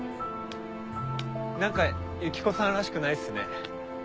何かユキコさんらしくないっすね。